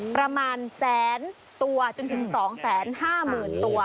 ประมาณแสนตัวจนถึง๒๕๐๐๐ตัว